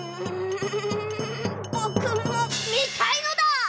ぼくもみたいのだ！